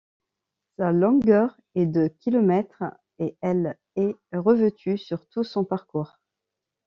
Sa longueur est de kilomètres et elle est revêtue sur tout son parcours.